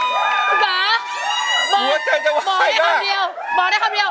บอกได้คำเดียวแฟะคุณฝ่า